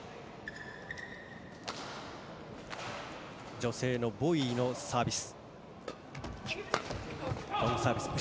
女性のボイイのサービス。